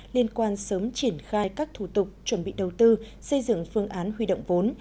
liên quan sớm triển khai các thủ tục chuẩn bị đầu tư xây dựng phương án huy động vốn